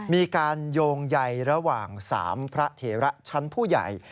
มีการโยงใยระหว่าง๓พระเถระชั้นผู้ใหญ่